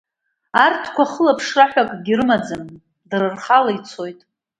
Арҭқәа ахылаԥшра ҳәа акгьы рымаӡам, дара рхала ицоит…